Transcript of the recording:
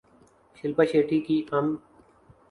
شلپا شیٹھی کی ام